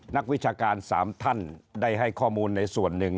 นักวิชาการ๓ท่านได้ให้ข้อมูลในส่วนหนึ่ง